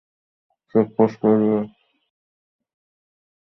Checkpost পেরিয়ে মিছিলে অংশগ্রহণকারী ব্যক্তিরা এখন সমাবেশস্থলে প্রবেশের অপেক্ষায়।